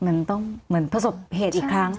มันต้องเหมือนประสบเหตุอีกครั้ง